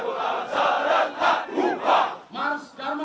ini langkah mil